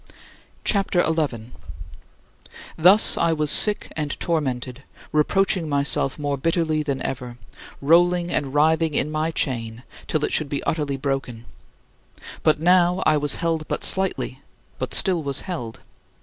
CHAPTER XI 25. Thus I was sick and tormented, reproaching myself more bitterly than ever, rolling and writhing in my chain till it should be utterly broken. By now I was held but slightly, but still was held.